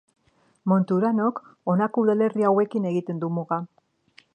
Monte Uranok honako udalerri hauekin egiten du muga.